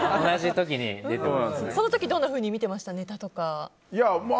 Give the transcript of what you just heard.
その時どんなふうに見ていましたか、ネタとか。